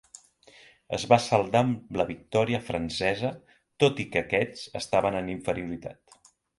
Es va saldar amb la victòria francesa tot i que aquests estaven en inferioritat.